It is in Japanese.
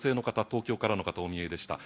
東京からの方がお見えでした。